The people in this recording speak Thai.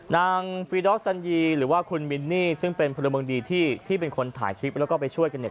นางฟีดอสซันยีหรือว่าคุณมินนี่ซึ่งเป็นพลเมืองดีที่ที่เป็นคนถ่ายคลิปแล้วก็ไปช่วยกันเนี่ย